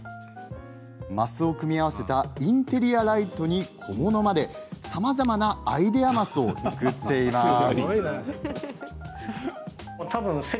升を組み合わせたインテリアライトに小物までさまざまなアイデア升を作っています。